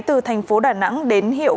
từ thành phố đà nẵng đến hiệu